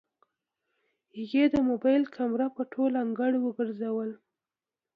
هغې د موبايل کمره په ټول انګړ وګرځوله.